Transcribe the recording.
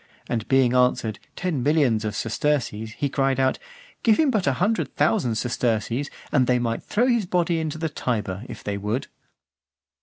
And being answered "ten millions of sesterces," he cried out, "give him but a hundred thousand sesterces, and they might throw his body into the Tiber, if they would."